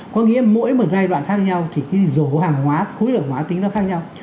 có nghĩa mỗi một giai đoạn khác nhau thì cái rổ hàng hóa khối lượng hóa tính nó khác nhau